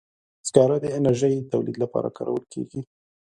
سکاره د انرژي تولید لپاره کارول کېږي.